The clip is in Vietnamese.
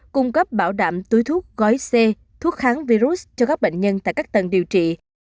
cung cấp bảo đảm túi thuốc gói xe thuốc kháng virus cho các bệnh nhân tại các tầng điều trị